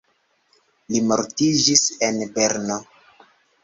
Li mortiĝis en Berno.